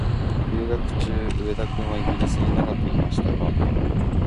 留学中、上田君はイギリスに長くいましたが、